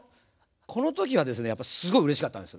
この時はですねやっぱりすごいうれしかったんです。